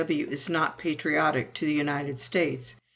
W. is not patriotic to the United States.